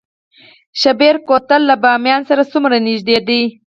شیبر کوتل له بامیان سره څومره نږدې دی؟